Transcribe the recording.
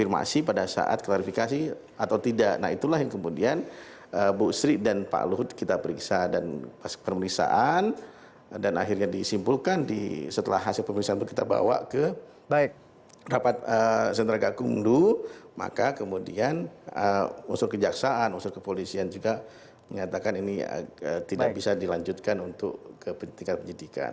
maka kemudian unsur kejaksaan unsur kepolisian juga menyatakan ini tidak bisa dilanjutkan untuk kepentingan penyidikan